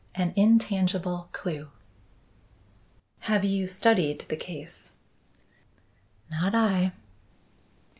AN INTANGIBLE CLUE "Have you studied the case?" "Not I."